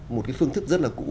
một cái phương thức rất là cũ